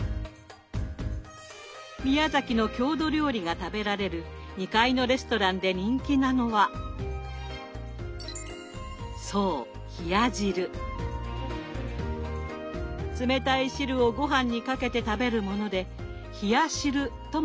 宮崎の郷土料理が食べられる２階のレストランで人気なのはそう冷たい汁をごはんにかけて食べるもので「ひやしる」とも呼ばれます。